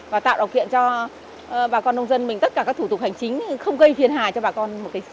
và tạo đồ kiện cho bà con nông dân mình tất cả các thủ tục hành chính không gây phiền hài cho bà con